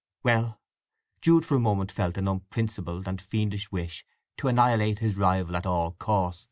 "Well"—Jude for a moment felt an unprincipled and fiendish wish to annihilate his rival at all cost.